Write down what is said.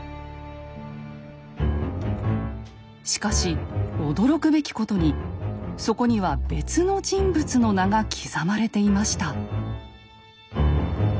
しかし驚くべきことにそこには別の人物の名が刻まれていました。